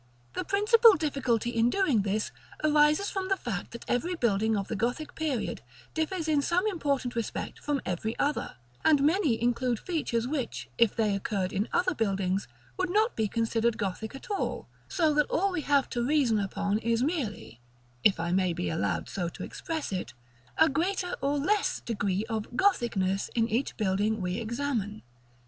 § II. The principal difficulty in doing this arises from the fact that every building of the Gothic period differs in some important respect from every other; and many include features which, if they occurred in other buildings, would not be considered Gothic at all; so that all we have to reason upon is merely, if I may be allowed so to express it, a greater or less degree of Gothicness in each building we examine.